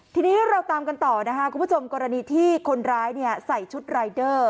ทีนี้เราตามกันต่อนะคะคุณผู้ชมกรณีที่คนร้ายใส่ชุดรายเดอร์